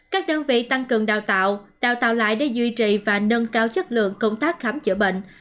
các đơn vị tăng cường đào tạo đào tạo lại để duy trì và nâng cao chất lượng công tác khám chữa bệnh